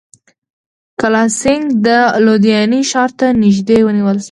کالاسینګهـ د لودیانې ښار ته نیژدې ونیول شو.